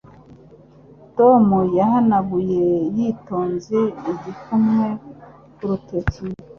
Tom yahanaguye yitonze igikumwe ku rutoki